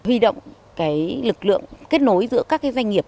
huy động lực lượng kết nối giữa các doanh nghiệp